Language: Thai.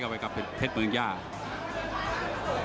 หมดยอดที่๒